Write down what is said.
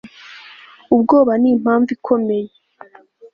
Ubwoba nimpamvu ikomeye